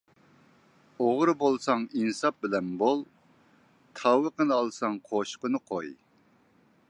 ئوغرى بولساڭ ئىنساپ بىلەن بول، تاۋىقىنى ئالساڭ قوشۇقىنى قوي.